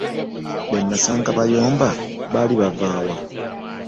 Be nnasanga bayomba baali bava wa?